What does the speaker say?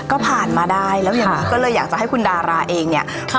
ก็ผ่านมาได้แล้วอย่างนี้ก็เลยอยากจะให้คุณดาราเองเนี่ย